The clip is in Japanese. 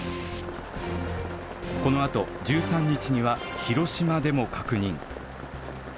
このあと１３日には広島でも確認。